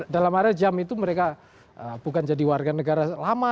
dalam area jam itu mereka bukan jadi warga negara lama